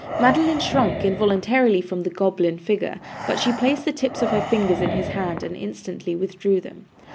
Madeline shrunk involuntarily from the goblin figure, but she placed the tips of her fingers in his hand and instantly withdrew them.